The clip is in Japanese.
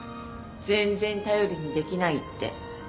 全然頼りにできないって。